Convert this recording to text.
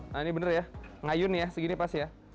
nah ini bener ya ngayun ya segini pasti ya